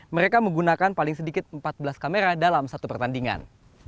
mereka menggunakan paling sedikit empat belas kamera dalam satu pertandingan